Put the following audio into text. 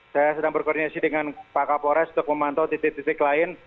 saya sedang berkoordinasi dengan pak kapolres untuk memantau titik titik lain